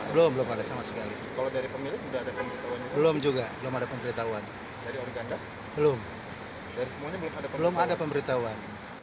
belum ada pemberitahuan